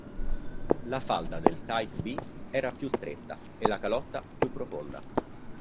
La falda del "Type B" era più stretta e la calotta più profonda.